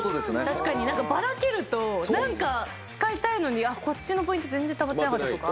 確かにバラけると何か使いたいのにこっちのポイント全然たまってなかったとか。